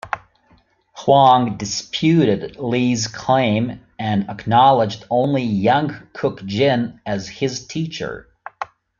Hwang disputed Lee's claim, and acknowledged only Yang Kuk Jin as his teacher.